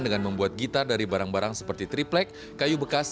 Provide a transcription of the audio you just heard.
dengan membuat gitar dari barang barang seperti triplek kayu bekas